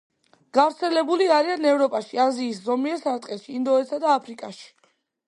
გავრცელებული არიან ევროპაში, აზიის ზომიერ სარტყელში, ინდოეთსა და აფრიკაში.